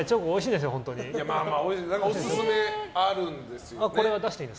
オススメあるんですよね？